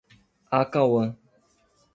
Acauã